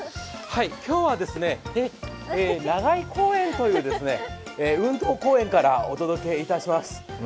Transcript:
今日はですね、長居公園という運動公園からお届けいたします。